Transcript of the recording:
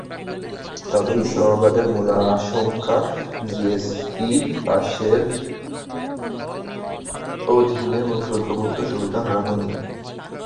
তবে ইসলামাবাদের মূল আশঙ্কা, জিএসপি পাসের অধীনে শুল্কমুক্ত সুবিধা হারানো নিয়ে।